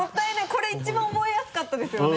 これ一番覚えやすかったですよね。